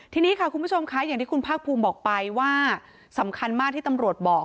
ทีนี้ค่ะคุณผู้ชมค่ะอย่างที่คุณภาคภูมิบอกไปว่าสำคัญมากที่ตำรวจบอก